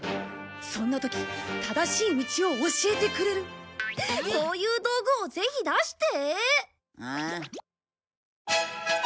そんな時正しい道を教えてくれるそういう道具をぜひ出して！